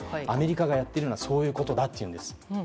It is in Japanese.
アメリカがやっているのはそういうことだと言うんです。